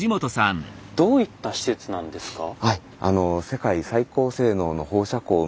どういった施設なんですか？